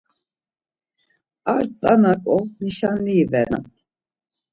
Ar tzana ǩo nişanli ivenenan.